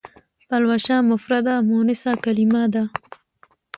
پلوشه مفرده مونثه کلمه ده.